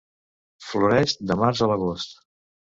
Floreix de març a l'agost.